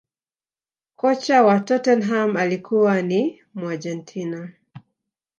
kocha wa tottenham alikuwa ni muargentina